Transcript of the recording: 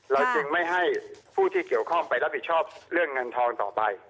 จึงไม่ให้ผู้ที่เกี่ยวข้องไปรับผิดชอบเรื่องเงินทองต่อไป